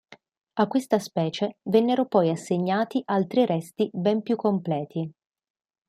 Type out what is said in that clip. A questa specie vennero poi assegnati altri resti ben più completi.